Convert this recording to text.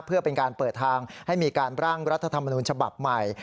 เพื่อเป็นการเปิดทางให้มีการร่างรัฐธรรมนูญฉบับใหม่